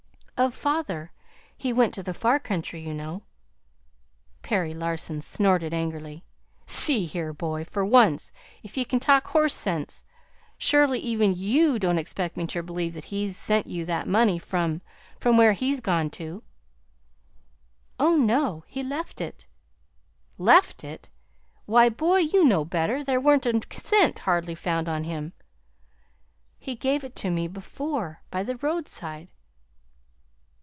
"Of father. He went to the far country, you know." Perry Larson snorted angrily. "See here, boy, for once, if ye can, talk horse sense! Surely, even YOU don't expect me ter believe that he's sent you that money from from where he's gone to!" "Oh, no. He left it." "Left it! Why, boy, you know better! There wa'n't a cent hardly found on him." "He gave it to me before by the roadside."